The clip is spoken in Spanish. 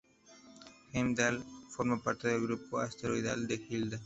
Heimdal forma parte del grupo asteroidal de Hilda.